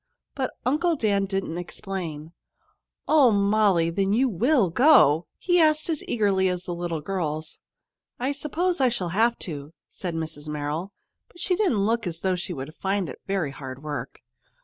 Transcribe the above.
But Uncle Dan didn't explain. "Oh, Molly, then you will go?" he asked as eagerly as the little girls. "I suppose I shall have to," said Mrs. Merrill, but she didn't look as though she would find it very hard work.